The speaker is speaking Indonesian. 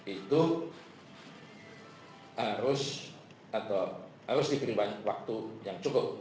itu harus diberi waktu yang cukup